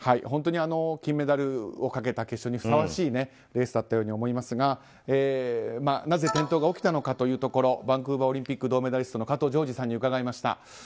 本当に金メダルをかけた決勝にふさわしいレースだったように思いますがなぜ転倒が起きたのかというところバンクーバーオリンピック銅メダリストの加藤条治選手に伺いました。